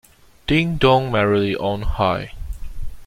Ding dong merrily on high.